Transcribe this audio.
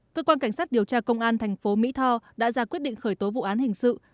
cơ quan cảnh sát điều tra công an thành phố mỹ tho đã ra quyết định khởi tố vụ án hình sự